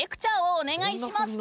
お願いします。